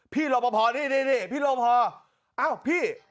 พี่โรพพอนี่พี่โรพพออ้าวพี่